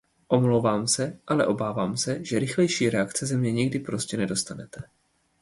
Omlouvám se, ale obávám se, že rychlejší reakce ze mě někdy prostě nedostanete.